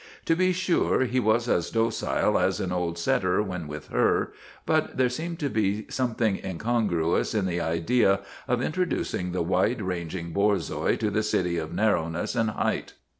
To be sure, he was as docile as an old setter when with her, but there seemed to be something incongruous in the idea of introducing the wide ranging Borzoi to the city of narrowness and height.